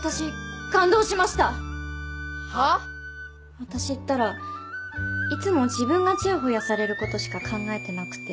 私ったらいつも自分がちやほやされることしか考えてなくて。